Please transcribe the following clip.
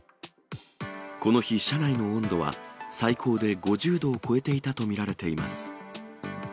この日、車内の温度は、最高で５０度を超えていたと見られています。